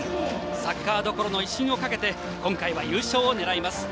サッカーどころの威信をかけて今回は優勝を狙います。